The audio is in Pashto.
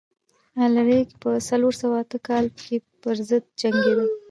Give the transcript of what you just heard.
الاریک په څلور سوه اته کال کې پرضد جنګېده.